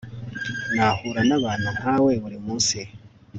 Nahura nabantu nkawe burimunsi